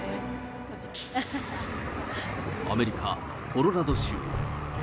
アメリカ・コロラド州。